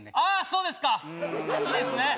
そうですかいいですね